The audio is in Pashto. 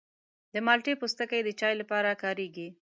د مالټې پوستکی د چای لپاره کارېږي.